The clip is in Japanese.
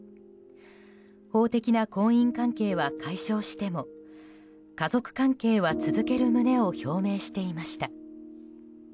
法的な婚姻関係は解消しても家族関係は続ける旨を表明していました。